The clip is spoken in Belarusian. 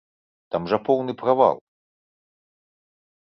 Там жа поўны правал.